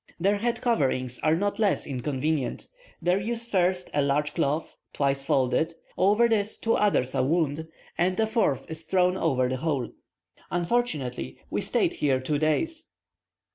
Their head coverings are not less inconvenient: they use first a large cloth, twice folded; over this two others are wound, and a fourth is thrown over the whole. Unfortunately, we stayed here two days.